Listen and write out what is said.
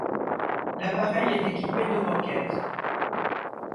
L'appareil est équipé de roquettes.